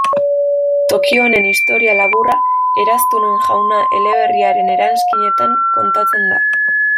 Toki honen istorio laburra, Eraztunen Jauna eleberriaren eranskinetan kontatzen da.